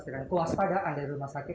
jangan waspada anda rumah sakit